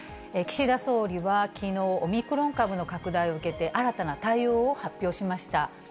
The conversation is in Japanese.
岸田総理はきのう、オミクロン株の拡大を受けて、新たな対応を発表しました。